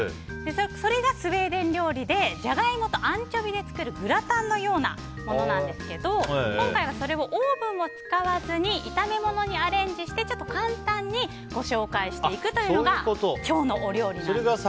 それがスウェーデン料理でジャガイモとアンチョビで作るグラタンのようなものなんですけど今回はそれをオーブン使わずに炒め物にアレンジしてちょっと簡単にご紹介していくというのが今日のお料理なんです。